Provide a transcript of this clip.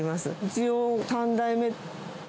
一応、３代目。